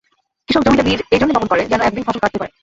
কৃষক জমিতে বীজ এই জন্যই বপন করে, যেনো একদিন ফসল কাটতে পারে।